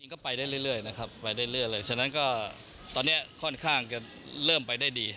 ก็ไปได้เรื่อยนะครับไปได้เรื่อยเลยฉะนั้นก็ตอนนี้ค่อนข้างจะเริ่มไปได้ดี